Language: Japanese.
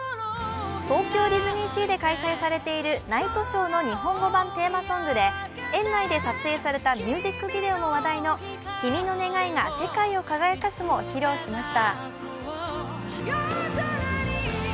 東京ディズニーシーで開催されているナイトショーの日本語版テーマソングで園内で撮影されたミュージックビデオも話題の「君の願いが世界を輝かす」も披露しました。